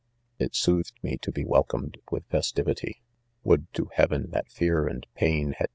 1 It soothed me to be welcomed with festiri c6 t>6 . IDOMEW. ty. Would to heaven that fear and pain had